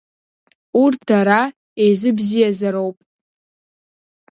Урҭ дара еизыбзиазароуп.